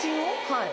はい。